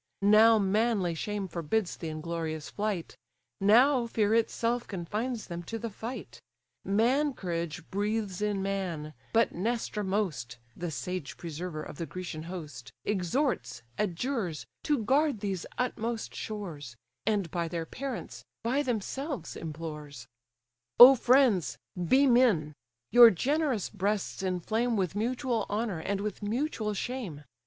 Now manly shame forbids the inglorious flight; Now fear itself confines them to the fight: Man courage breathes in man; but Nestor most (The sage preserver of the Grecian host) Exhorts, adjures, to guard these utmost shores; And by their parents, by themselves implores. "Oh friends! be men: your generous breasts inflame With mutual honour, and with mutual shame!